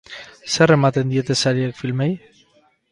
Zer ematen diete sariek filmei?